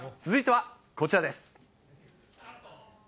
続いてはこちらです。